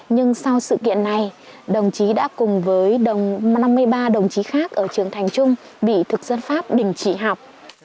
nhưng sau sự kiện này đồng chí đã cùng với năm mươi ba đồng chí khác ở trường thành trung bị thực dân pháp đình trị học